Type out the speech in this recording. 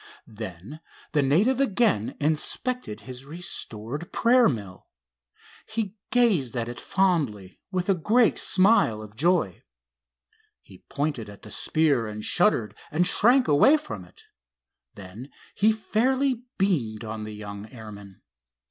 Then the native again inspected his restored prayer mill. He gazed at it fondly, with a great smile of joy. He pointed at the spear and shuddered and shrank away from it. Then he fairly beamed on the young airman.